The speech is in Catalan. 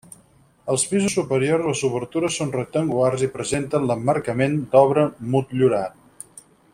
Als pisos superiors les obertures són rectangulars i presenten l'emmarcament d'obra motllurat.